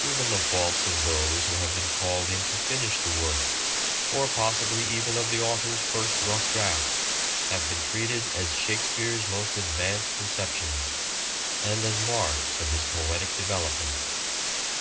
Even the faults of those who have been called in to finish the work, or possibly even of the author's first rough drafts, have been treated as " Shake speare's " most advanced conceptions, and as marks of his poetic development.